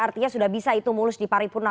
artinya sudah bisa itu mulus di paripurna